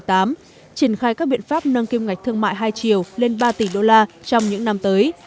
triển khai các biện pháp nâng kim ngạch thương mại hai triệu lên ba tỷ đô la trong những năm tới